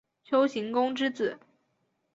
丘行恭之子。